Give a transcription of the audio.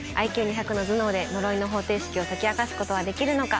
ＩＱ２００の頭脳で呪いの方程式を解き明かすことはできるのか？